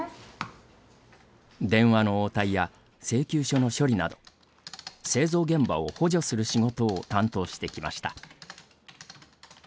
電話の応対や請求書の処理など製造現場を補助する仕事を担当してきました。